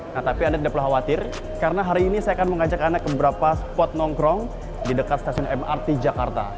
nah tapi anda tidak perlu khawatir karena hari ini saya akan mengajak anda ke beberapa spot nongkrong di dekat stasiun mrt jakarta